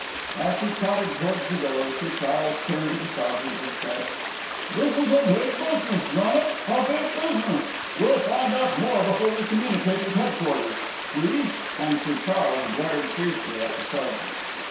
As he trotted towards the door, Sir Charles turned to the sergeant and said: "This is a big business, Wrannock, a big business. We'll find out more before we communicate with headquarters. See?" And Sir Charles glared fiercely at the sergeant.